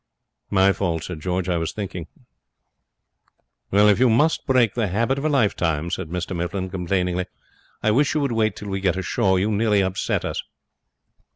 'My fault,' said George; 'I was thinking.' 'If you must break the habit of a lifetime,' said Mr Mifflin, complainingly, 'I wish you would wait till we get ashore. You nearly upset us.'